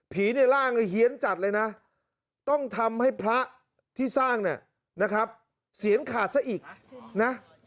ในร่างเฮียนจัดเลยนะต้องทำให้พระที่สร้างเนี่ยนะครับเสียงขาดซะอีกนะ